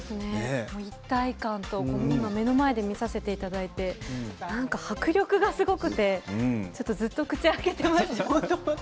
一体感を目の前で見させていただいて迫力がすごくてずっと口を開けていました。